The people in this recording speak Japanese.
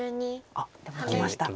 あっでもきました。